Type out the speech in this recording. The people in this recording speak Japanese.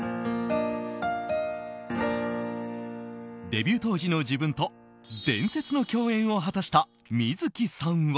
デビュー当時の自分と伝説の共演を果たした観月さんは。